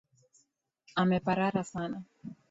Ameparara sana